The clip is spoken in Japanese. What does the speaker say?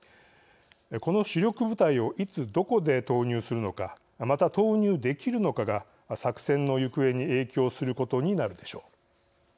この主力部隊をいつどこで投入するのかまた、投入できるのかが作戦の行方に影響することになるでしょう。